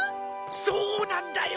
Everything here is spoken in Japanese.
そうなんだよ！